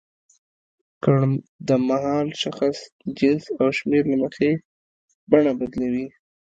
کړ د مهال، شخص، جنس او شمېر له مخې بڼه بدلوي.